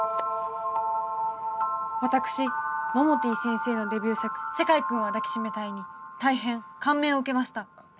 私モモティ先生のデビュー作「世界くんは抱きしめたい」に大変感銘を受けました。